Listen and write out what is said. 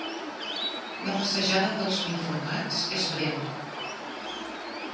La passejada dels uniformats és breu.